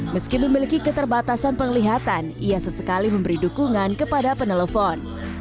meski memiliki keterbatasan penglihatan ia sesekali memberi dukungan kepada penelepon